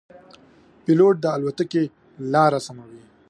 پیلوټ د الوتکې لاره سموي.